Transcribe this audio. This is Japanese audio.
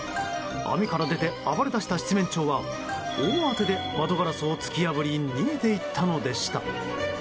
網から出て暴れ出した七面鳥は大慌てで窓ガラスを突き破り逃げていったのでした。